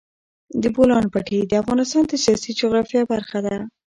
د بولان پټي د افغانستان د سیاسي جغرافیه برخه ده.